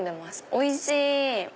おいしい！